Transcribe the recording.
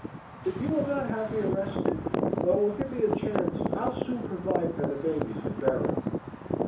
If you will not have me arrested, but will give me a chance, I'll soon provide for the babies and Bera."